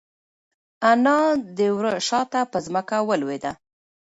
انا د وره شاته په ځمکه ولوېده.